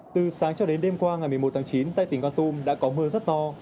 từ sáng cho đến đêm qua ngày một mươi một tháng chín tại tỉnh con tum đã có mưa rất to